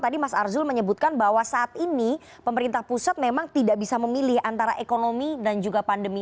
tadi mas arzul menyebutkan bahwa saat ini pemerintah pusat memang tidak bisa memilih antara ekonomi dan juga pandemi